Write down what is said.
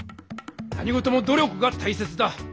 何事もど力がたいせつだ！